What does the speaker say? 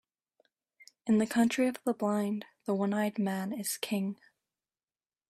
In the country of the blind, the one-eyed man is king.